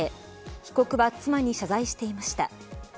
被告は妻に謝罪していました。